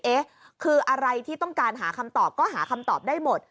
เอ๊ะคืออะไรที่ต้องการหาคำตอบก็หาคำตอบได้หมด